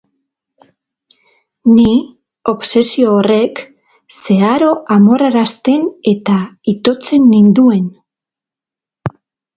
Ni, obsesio horrek, zeharo amorrarazten eta itotzen ninduen.